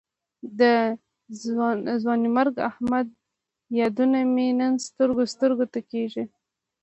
د ځوانمرګ احمد یادونه مې نن سترګو سترګو ته کېږي.